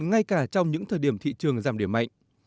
ngay cả trong những thời điểm thị trường giảm điểm mạnh